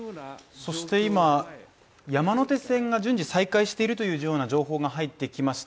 そして今、山手線が順次再開しているというような情報が入ってきました。